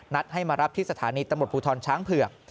ให้มารับที่สถานีตำรวจภูทรช้างเผือก